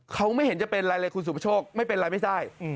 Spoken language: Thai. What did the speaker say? เขาไม่เห็นจะเป็นอะไรเลยคุณสุประโชคไม่เป็นไรไม่ใช่